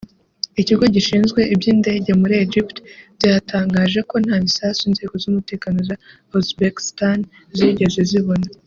Ikigo gishinzwe iby’indege muri Egypt byatangaje ko nta bisasu inzego z’umutekano za Uzbekistan zigeze zibona